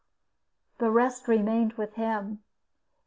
The rest remained with him.